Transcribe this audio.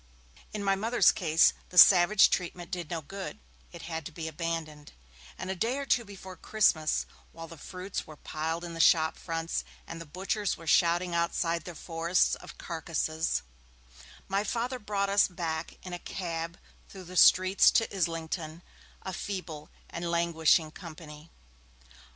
In my Mother's case, the savage treatment did no good; it had to be abandoned, and a day or two before Christmas, while the fruits were piled in the shop fronts and the butchers were shouting outside their forests of carcases, my Father brought us back in a cab through the streets to Islington, a feeble and languishing company.